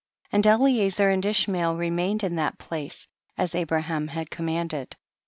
48. And Eliezer and Ishmael re mained in that place, as Abraham had commanded. 49.